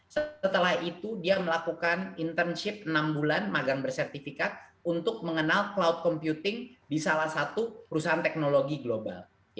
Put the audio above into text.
setelah itu dia melakukan internship enam bulan magang bersertifikat untuk mengenal cloud computing di salah satu perusahaan teknologi global